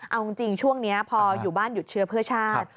เอาจริงช่วงนี้พออยู่บ้านหยุดเชื้อเพื่อชาติ